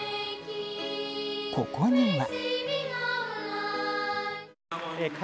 ここには。